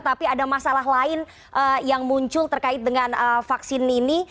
tapi ada masalah lain yang muncul terkait dengan vaksin ini